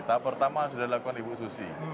tahap pertama sudah dilakukan ibu susi